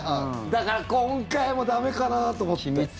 だから今回も駄目かなと思って。